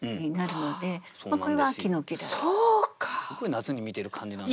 夏に見てる感じなんですけど。